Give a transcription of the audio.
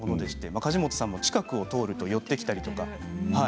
梶本さんも近くを通ると寄ってきたりと。